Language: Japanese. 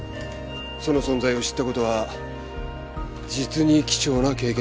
その存在を知った事は実に貴重な経験でした。